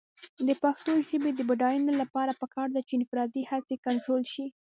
د پښتو ژبې د بډاینې لپاره پکار ده چې انفرادي هڅې کنټرول شي.